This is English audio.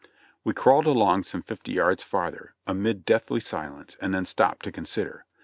We crawled along some fifty yards farther, amid deathly silence, and then stopped to consider.